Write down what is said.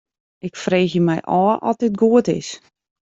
Ik freegje my ôf oft dit goed is.